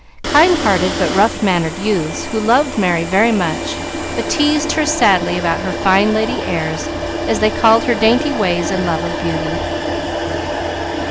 Kind hearted but rough mannered youths, who loved Merry very much, but teased her sadly about her "fine lady airs," as they called her dainty ways and love of beauty.